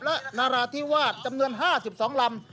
และนาราธิวาสจำนวน๕๒ลำ